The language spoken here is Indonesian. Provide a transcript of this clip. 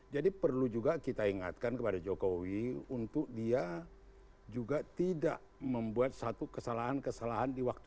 jadi perlu juga kita ingatkan kepada jokowi untuk dia juga tidak membuat satu kesalahan kesalahan di waktu itu